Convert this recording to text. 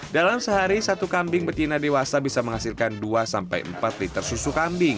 dalam sehari satu kambing betina dewasa bisa menghasilkan dua sampai empat liter susu kambing